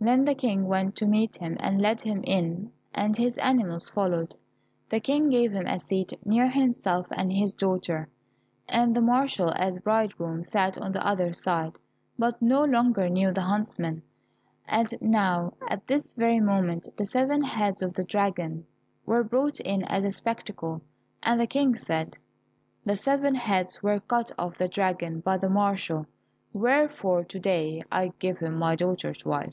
Then the King went to meet him and led him in, and his animals followed. The King gave him a seat near himself and his daughter, and the marshal, as bridegroom, sat on the other side, but no longer knew the huntsman. And now at this very moment, the seven heads of the dragon were brought in as a spectacle, and the King said, "The seven heads were cut off the dragon by the marshal, wherefore to day I give him my daughter to wife."